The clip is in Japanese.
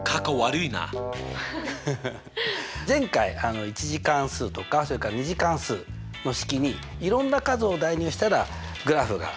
前回１次関数とかそれから２次関数の式にいろんな数を代入したらグラフが変わりましたよね。